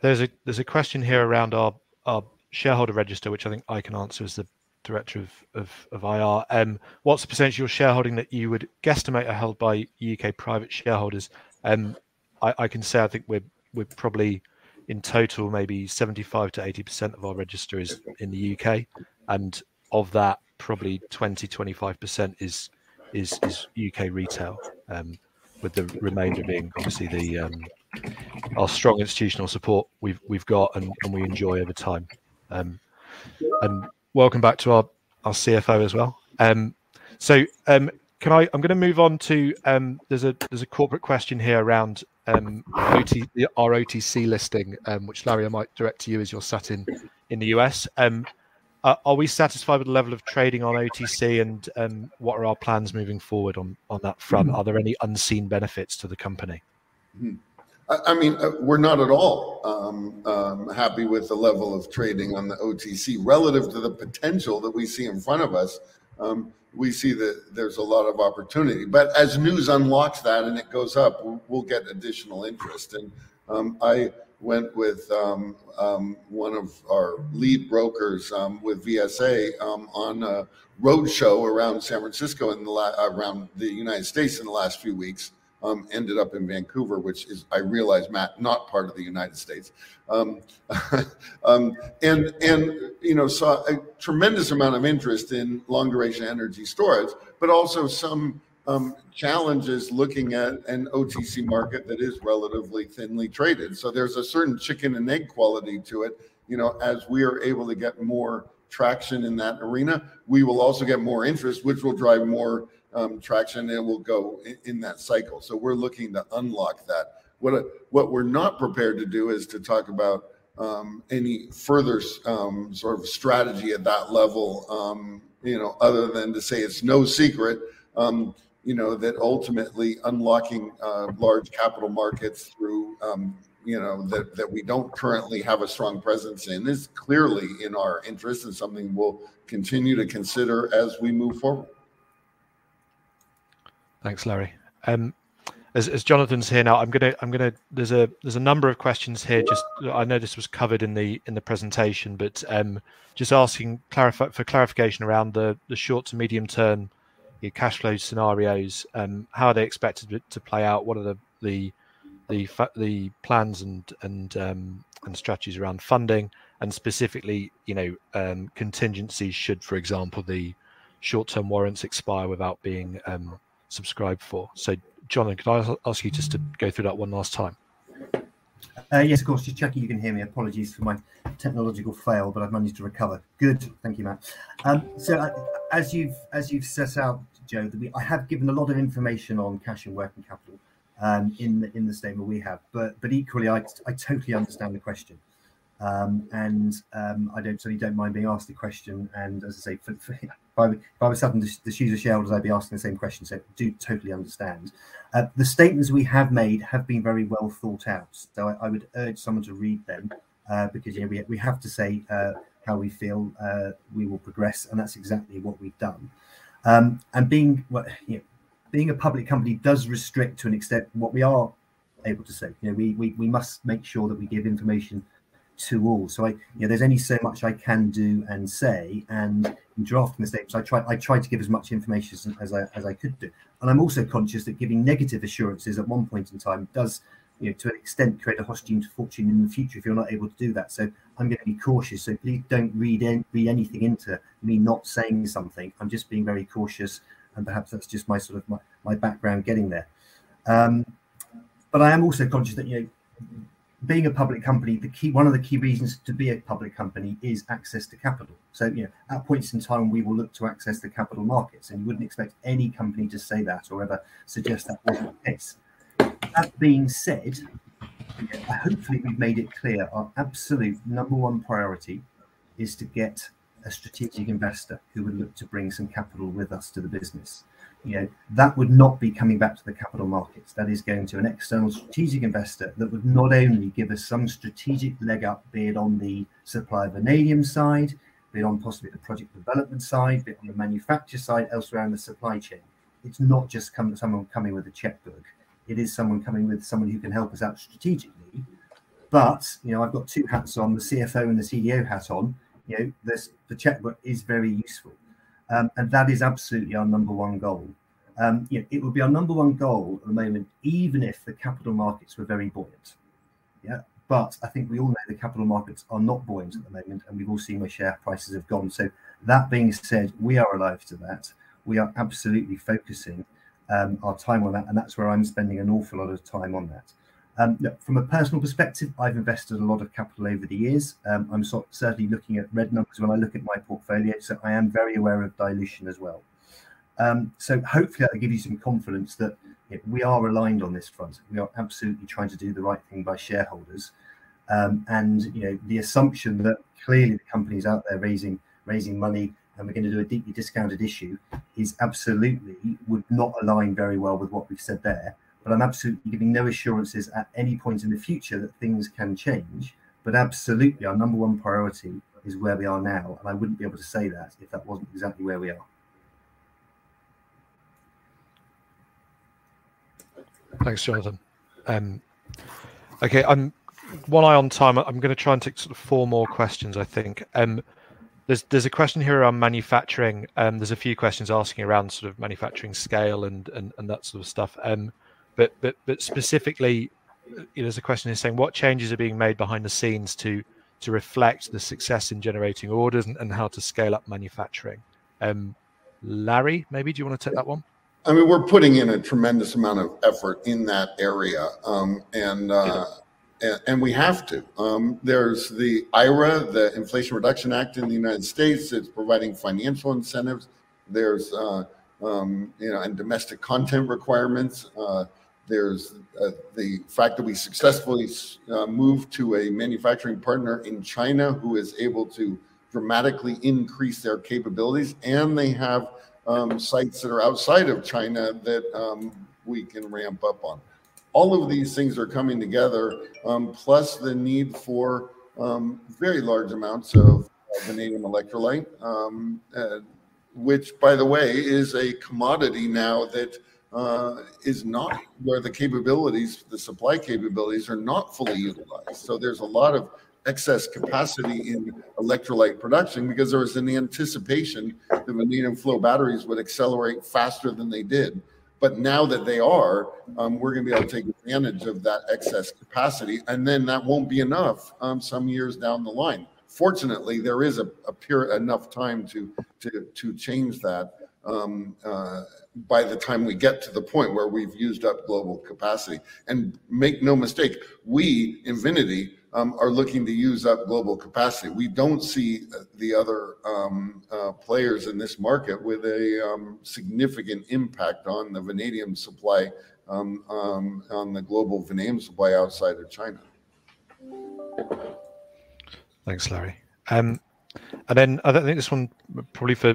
There's a question here around our shareholder register, which I think I can answer as the Director of IR. What's the percentage of your shareholding that you would guesstimate are held by U.K. private shareholders? I can say I think we're probably, in total, maybe 75%-80% of our register is in the U.K. Of that, probably 20%-25% is U.K. retail, with the remainder being obviously our strong institutional support we've got and we enjoy over time. Welcome back to our CFO as well. I'm going to move on to, there's a corporate question here around our OTC listing, which Larry, I might direct to you as you're sat in the U.S. Are we satisfied with the level of trading on OTC and what are our plans moving forward on that front? Are there any unseen benefits to the company? We're not at all happy with the level of trading on the OTC relative to the potential that we see in front of us. We see that there's a lot of opportunity, but as news unlocks that and it goes up, we'll get additional interest. I went with one of our lead brokers, with VSA, on a roadshow around San Francisco and around the United States in the last few weeks. Ended up in Vancouver, which is, I realize, Matt, not part of the United States. Saw a tremendous amount of interest in long-duration energy storage, but also some challenges looking at an OTC market that is relatively thinly traded. There's a certain chicken and egg quality to it. As we are able to get more traction in that arena, we will also get more interest, which will drive more traction, and it will go in that cycle. We're looking to unlock that. What we're not prepared to do is to talk about any further strategy at that level, other than to say it's no secret that ultimately unlocking large capital markets through that we don't currently have a strong presence in, is clearly in our interest and something we'll continue to consider as we move forward. Thanks, Larry. As Jonathan's here now, there's a number of questions here. I know this was covered in the presentation, but just asking for clarification around the short to medium-term, your cash flow scenarios, how are they expected to play out? What are the plans and strategies around funding and specifically contingencies should, for example, the short-term warrants expire without being subscribed for? Jonathan, could I ask you just to go through that one last time? Yes, of course. Just checking you can hear me. Apologies for my technological fail, but I've managed to recover. Good. Thank you, Matt. As you've set out, Joe, I have given a lot of information on cash and working capital in the statement we have. Equally, I totally understand the question, and I certainly don't mind being asked the question. As I say, if I was sat on the shoes of shareholders, I'd be asking the same question. Do totally understand. The statements we have made have been very well thought out. I would urge someone to read them, because we have to say how we feel we will progress, and that's exactly what we've done. Being a public company does restrict to an extent what we are able to say. We must make sure that we give information to all. There's only so much I can do and say, and in drafting the statements, I tried to give as much information as I could do. I'm also conscious that giving negative assurances at one point in time does, to an extent, create a host team to fortune in the future if you're not able to do that. I'm going to be cautious. Please don't read anything into me not saying something. I'm just being very cautious, and perhaps that's just my background getting there. I am also conscious that being a public company, one of the key reasons to be a public company is access to capital. At points in time, we will look to access the capital markets, and you wouldn't expect any company to say that or ever suggest that wasn't the case. That being said, hopefully, we've made it clear our absolute number one priority is to get a strategic investor who would look to bring some capital with us to the business. That would not be coming back to the capital markets. That is going to an external strategic investor that would not only give us some strategic leg up, be it on the supply of vanadium side, be it on possibly the project development side, be it on the manufacture side, elsewhere in the supply chain. It's not just someone coming with a checkbook. It is someone coming with someone who can help us out strategically. I've got two hats on, the CFO and the CEO hat on. The checkbook is very useful. That is absolutely our number one goal. It would be our number one goal at the moment, even if the capital markets were very buoyant. I think we all know the capital markets are not buoyant at the moment, we've all seen where share prices have gone. That being said, we are alive to that. We are absolutely focusing our time on that, and that's where I'm spending an awful lot of time on that. From a personal perspective, I've invested a lot of capital over the years. I'm certainly looking at red numbers when I look at my portfolio. I am very aware of dilution as well. Hopefully that'll give you some confidence that we are aligned on this front. We are absolutely trying to do the right thing by shareholders. The assumption that clearly the company's out there raising money and we're going to do a deeply discounted issue is absolutely, would not align very well with what we've said there. I'm absolutely giving no assurances at any point in the future that things can change. Absolutely our number 1 priority is where we are now, and I wouldn't be able to say that if that wasn't exactly where we are. Thanks, Jonathan. Okay. One eye on time. I'm going to try and take four more questions, I think. There's a question here around manufacturing. There's a few questions asking around manufacturing scale and that sort of stuff. Specifically, there's a question here saying, what changes are being made behind the scenes to reflect the success in generating orders and how to scale up manufacturing? Larry, maybe, do you want to take that one? We're putting in a tremendous amount of effort in that area, we have to. There's the IRA, the Inflation Reduction Act in the U.S. It's providing financial incentives. There's domestic content requirements. There's the fact that we successfully moved to a manufacturing partner in China who is able to dramatically increase their capabilities, and they have sites that are outside of China that we can ramp up on. All of these things are coming together, plus the need for very large amounts of vanadium electrolyte, which, by the way, is a commodity now that is not where the capabilities, the supply capabilities, are not fully utilized. There's a lot of excess capacity in electrolyte production because there was an anticipation that vanadium flow batteries would accelerate faster than they did. Now that they are, we're going to be able to take advantage of that excess capacity. That won't be enough some years down the line. Fortunately, there is enough time to change that by the time we get to the point where we've used up global capacity. Make no mistake, we, Invinity, are looking to use up global capacity. We don't see the other players in this market with a significant impact on the vanadium supply, on the global vanadium supply outside of China. Thanks, Larry. I think this one probably for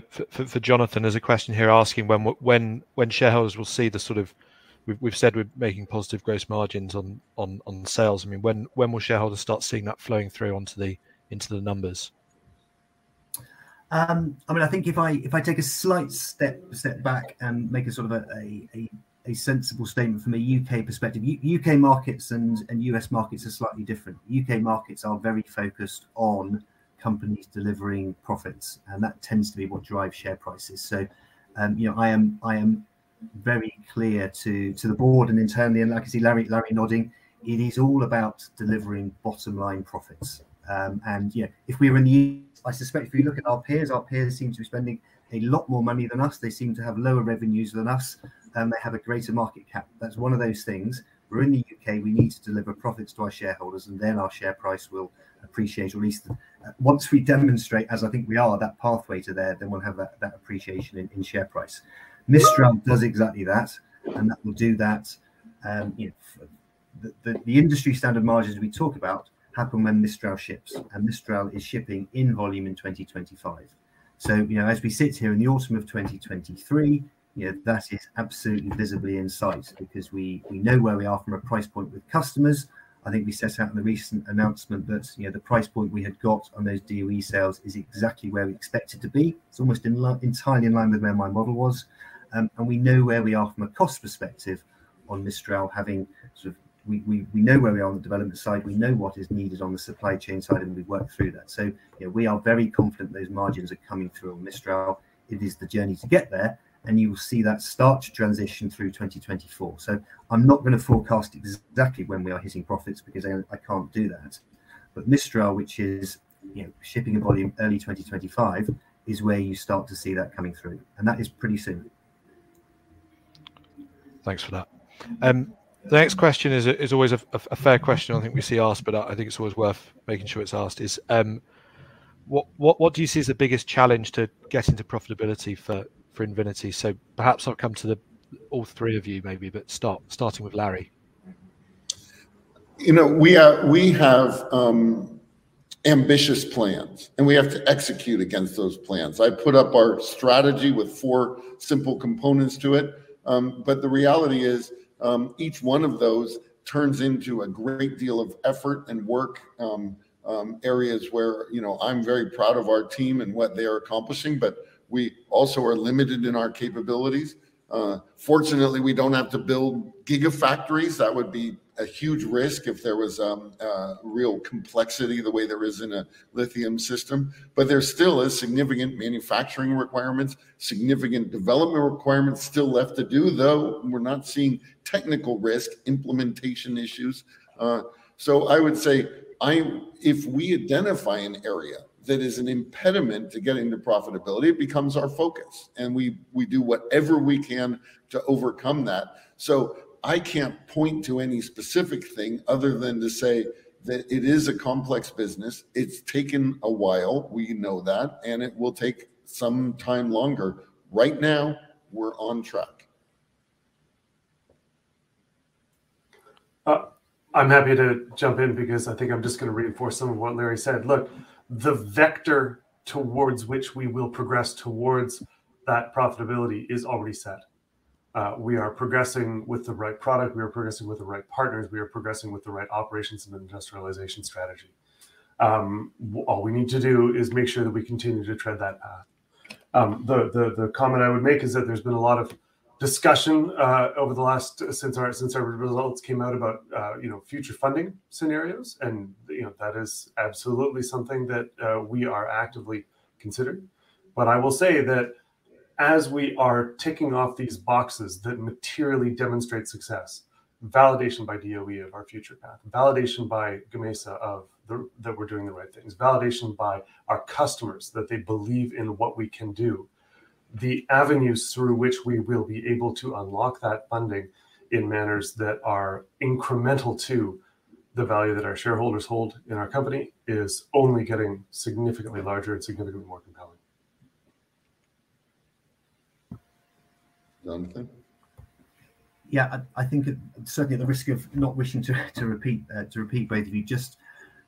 Jonathan, there's a question here asking when shareholders will see the sort of We've said we're making positive gross margins on sales. When will shareholders start seeing that flowing through into the numbers? I think if I take a slight step back and make a sensible statement from a U.K. perspective, U.K. markets and U.S. markets are slightly different. U.K. markets are very focused on companies delivering profits. That tends to be what drives share prices. I am very clear to the board and internally, I can see Larry nodding, it is all about delivering bottom line profits. If we are, I suspect if you look at our peers, our peers seem to be spending a lot more money than us. They seem to have lower revenues than us. They have a greater market cap. That's one of those things, we're in the U.K., we need to deliver profits to our shareholders. Our share price will appreciate, or at least once we demonstrate, as I think we are, that pathway to there, then we'll have that appreciation in share price. Mistral does exactly that. That will do that. The industry standard margins we talk about happen when Mistral ships. Mistral is shipping in volume in 2025. As we sit here in the autumn of 2023, that is absolutely visibly in sight because we know where we are from a price point with customers. I think we set out in the recent announcement that the price point we had got on those DOE sales is exactly where we expect it to be. It's almost entirely in line with where my model was. We know where we are from a cost perspective on Mistral. We know where we are on the development side, we know what is needed on the supply chain side, and we've worked through that. We are very confident those margins are coming through on Mistral. It is the journey to get there, and you will see that start to transition through 2024. I'm not going to forecast exactly when we are hitting profits because I can't do that. Mistral, which is shipping volume early 2025, is where you start to see that coming through, and that is pretty soon. Thanks for that. The next question is always a fair question I think we see asked, but I think it's always worth making sure it's asked is, what do you see as the biggest challenge to getting to profitability for Invinity? Perhaps I'll come to all three of you maybe, but starting with Larry. We have ambitious plans, and we have to execute against those plans. I put up our strategy with four simple components to it. The reality is, each one of those turns into a great deal of effort and work, areas where I'm very proud of our team and what they are accomplishing, but we also are limited in our capabilities. Fortunately, we don't have to build gigafactories. That would be a huge risk if there was real complexity the way there is in a lithium system. There still is significant manufacturing requirements, significant development requirements still left to do, though we're not seeing technical risk implementation issues. I would say, if we identify an area that is an impediment to getting to profitability, it becomes our focus, and we do whatever we can to overcome that. I can't point to any specific thing other than to say that it is a complex business. It's taken a while, we know that, and it will take some time longer. Right now, we're on track. I'm happy to jump in because I think I'm just going to reinforce some of what Larry said. Look, the vector towards which we will progress towards that profitability is already set. We are progressing with the right product, we are progressing with the right partners, we are progressing with the right operations and industrialization strategy. All we need to do is make sure that we continue to tread that path. The comment I would make is that there's been a lot of discussion over the last, since our results came out about future funding scenarios, that is absolutely something that we are actively considering. I will say that as we are ticking off these boxes that materially demonstrate success, validation by DOE of our future path, validation by Gamesa that we're doing the right things, validation by our customers that they believe in what we can do, the avenues through which we will be able to unlock that funding in manners that are incremental to the value that our shareholders hold in our company is only getting significantly larger and significantly more compelling. Jonathan? Yeah, I think certainly the risk of not wishing to repeat both of you, just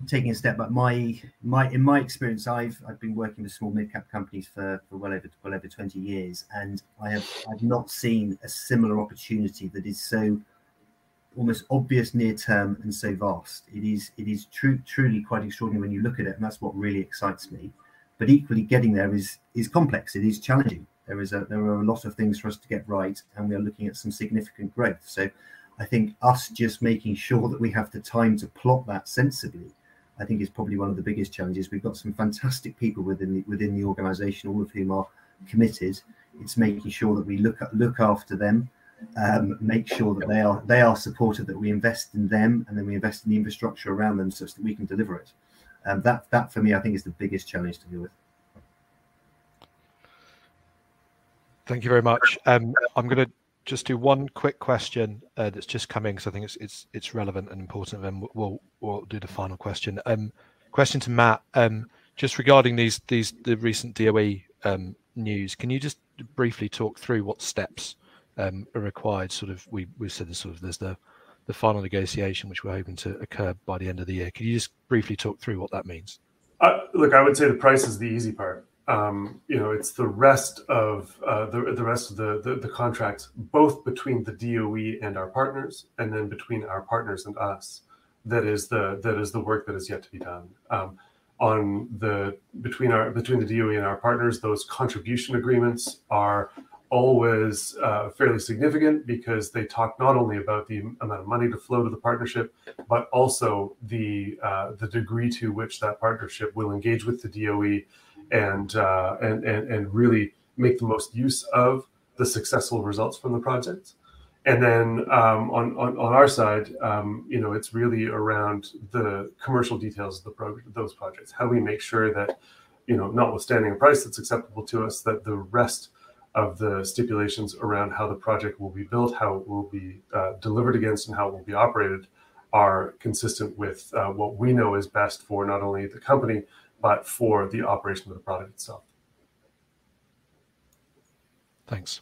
taking a step back, in my experience, I've been working with small mid-cap companies for well over 20 years, and I've not seen a similar opportunity that is so almost obvious near term and so vast. It is truly quite extraordinary when you look at it, that's what really excites me. Equally, getting there is complex, it is challenging. There are a lot of things for us to get right, we are looking at some significant growth. I think us just making sure that we have the time to plot that sensibly, I think is probably one of the biggest challenges. We've got some fantastic people within the organization, all of whom are committed. It's making sure that we look after them, make sure that they are supported, that we invest in them, we invest in the infrastructure around them such that we can deliver it. That for me, I think is the biggest challenge to deal with. Thank you very much. I'm going to just do one quick question that's just come in because I think it's relevant and important, then we'll do the final question. Question to Matt. Just regarding the recent DOE news, can you just briefly talk through what steps are required? We said there's the final negotiation which we're hoping to occur by the end of the year. Could you just briefly talk through what that means? Look, I would say the price is the easy part. It's the rest of the contract, both between the DOE and our partners, between our partners and us. That is the work that is yet to be done. Between the DOE and our partners, those contribution agreements are always fairly significant because they talk not only about the amount of money to flow to the partnership, but also the degree to which that partnership will engage with the DOE and really make the most use of the successful results from the project. On our side, it's really around the commercial details of those projects. How we make sure that notwithstanding a price that's acceptable to us, that the rest of the stipulations around how the project will be built, how it will be delivered against, and how it will be operated, are consistent with what we know is best for not only the company, but for the operation of the product itself. Thanks.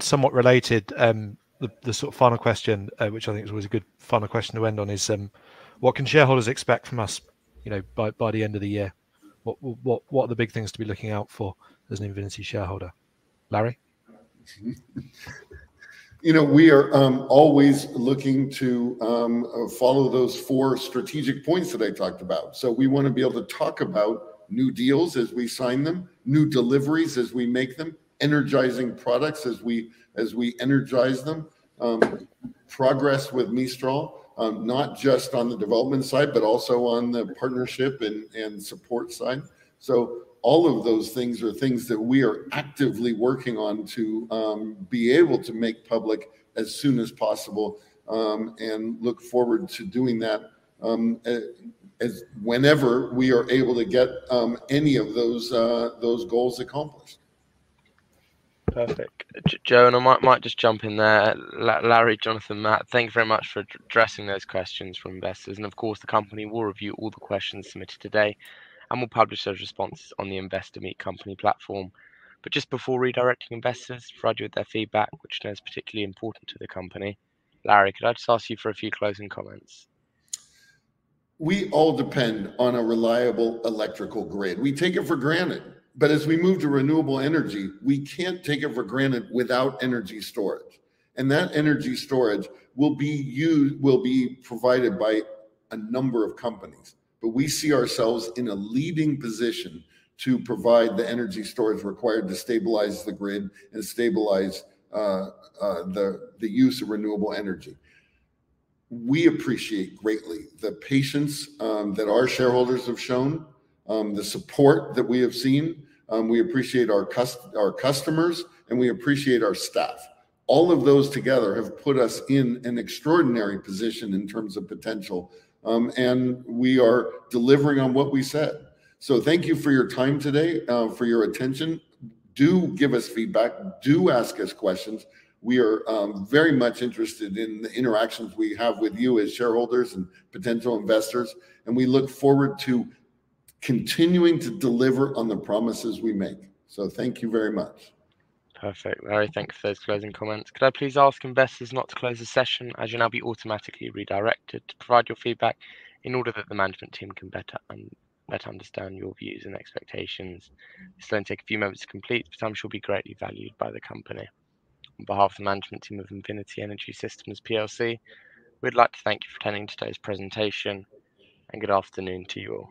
Somewhat related, the final question, which I think is always a good final question to end on is, what can shareholders expect from us by the end of the year? What are the big things to be looking out for as an Invinity shareholder? Larry? We are always looking to follow those four strategic points that I talked about. We want to be able to talk about new deals as we sign them, new deliveries as we make them, energizing products as we energize them, progress with Mistral, not just on the development side, but also on the partnership and support side. All of those things are things that we are actively working on to be able to make public as soon as possible, and look forward to doing that whenever we are able to get any of those goals accomplished. Perfect. Joe, I might just jump in there. Larry, Jonathan, Matt, thank you very much for addressing those questions from investors. Of course, the company will review all the questions submitted today and will publish those responses on the Investor Meet Company platform. Just before redirecting investors to provide you with their feedback, which is particularly important to the company, Larry, could I just ask you for a few closing comments? We all depend on a reliable electrical grid. We take it for granted, but as we move to renewable energy, we can't take it for granted without energy storage. That energy storage will be provided by a number of companies. We see ourselves in a leading position to provide the energy storage required to stabilize the grid and stabilize the use of renewable energy. We appreciate greatly the patience that our shareholders have shown, the support that we have seen. We appreciate our customers, and we appreciate our staff. All of those together have put us in an extraordinary position in terms of potential. We are delivering on what we said. Thank you for your time today, for your attention. Do give us feedback, do ask us questions. We are very much interested in the interactions we have with you as shareholders and potential investors, we look forward to continuing to deliver on the promises we make. Thank you very much. Perfect. Larry, thank you for those closing comments. Could I please ask investors not to close the session as you'll now be automatically redirected to provide your feedback in order that the management team can better understand your views and expectations. This will only take a few moments to complete, but I'm sure will be greatly valued by the company. On behalf of the management team of Invinity Energy Systems plc, we'd like to thank you for attending today's presentation, and good afternoon to you all.